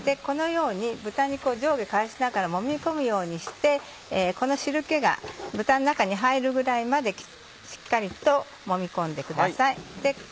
このように豚肉を上下返しながらもみ込むようにしてこの汁気が豚の中に入るぐらいまでしっかりともみ込んでください。